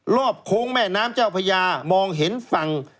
โค้งแม่น้ำเจ้าพญามองเห็นฝั่ง